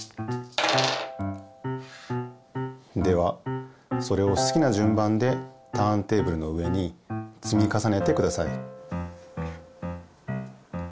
ではそれをすきなじゅん番でターンテーブルの上につみかさねてください。